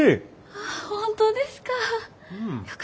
あ本当ですか。